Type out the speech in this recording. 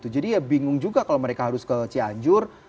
ya bingung juga kalau mereka harus ke cianjur